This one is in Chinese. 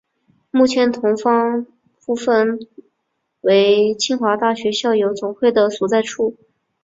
目前同方部作为清华大学校友总会的所在处。